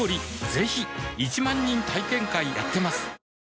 ぜひ１万人体験会やってますはぁ。